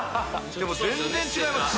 でも全然違います